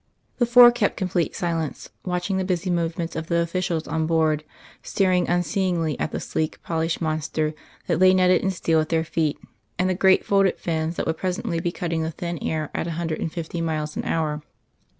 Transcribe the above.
The four kept complete silence, watching the busy movements of the officials on board, staring unseeingly at the sleek, polished monster that lay netted in steel at their feet, and the great folded fins that would presently be cutting the thin air at a hundred and fifty miles an hour.